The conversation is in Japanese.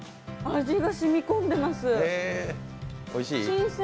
味が染み込んでます、新鮮。